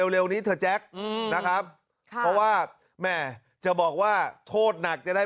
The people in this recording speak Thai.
เร็วนี้เถอะแจ็คนะครับ